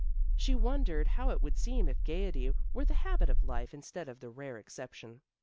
She wondered how it would seem if gaiety were the habit of life instead of the rare exception.